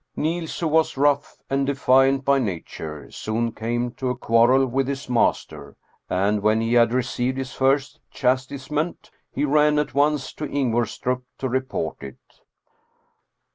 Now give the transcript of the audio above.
Niels, who was rough and defiant by nature, soon came to a quarrel with his master, and when he had received his first chastisement, he ran at once to Ingvorstrup to report it.